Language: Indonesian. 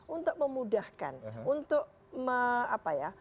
untuk memudahkan untuk apa ya